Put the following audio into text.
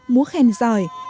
múa khen giỏi